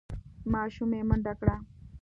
ماشوم یې منډه کړه.